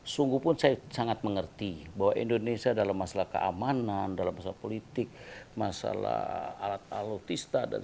sungguhpun saya sangat mengerti bahwa indonesia dalam masalah keamanan dalam masalah politik masalah alat alutista dan sebagai teknologi gak bisa lepas ke israel